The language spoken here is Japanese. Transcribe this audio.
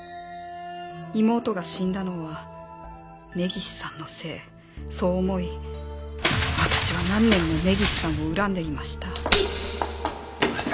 「“妹が死んだのは根岸さんのせい”そう思い私は何年も根岸さんを恨んでいました」